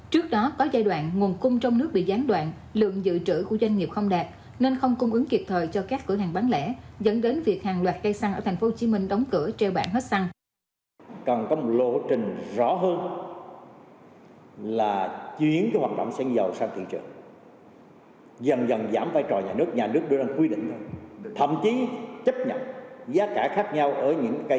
trước đó có giai đoạn nguồn cung trong nước bị gián đoạn lượng dự trữ của doanh nghiệp không đạt